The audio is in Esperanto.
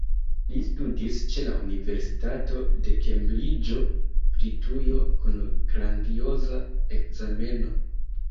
Li studis ĉe la universitato de Kembriĝo, Britujo kun grandioza ekzameno.